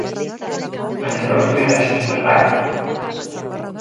Baina nortzuk dira streperrak?